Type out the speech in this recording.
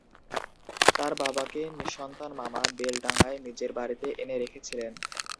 তার বাবাকে নিঃসন্তান মামা বেলডাঙায় নিজের বাড়িতে এনে রেখেছিলেন।